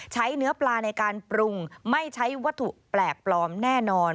ใช้เนื้อปลาในการปรุงไม่ใช้วัตถุแปลกปลอมแน่นอน